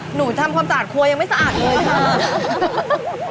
หนูทำความสะอาดครัวยังไม่สะอาดเลยค่ะ